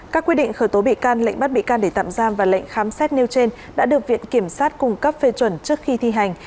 các quy định khởi tố bị can lệnh bắt bị can để tạm giam và lệnh khám xét nêu trên đã được viện kiểm sát cung cấp phê chuẩn trước khi thi hành